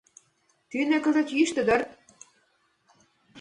Тӱнӧ кызыт йӱштӧ дыр.